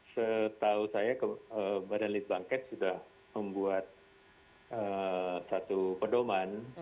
setahu saya badan litbang kets sudah membuat satu pedoman